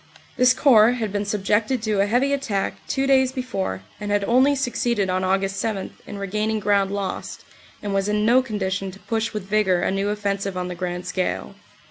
This Corps had been subjected to a heavy attack two days before and had only succeeded on Aug. 7 in regaining ground lost and was in no condition to push with vigor a new offensive on the grand scale.